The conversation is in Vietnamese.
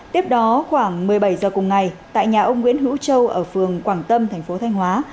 tiếp đó khoảng một mươi bảy h cùng ngày tại nhà ông nguyễn hữu châu ở phường quảng tâm thành phố thanh hóa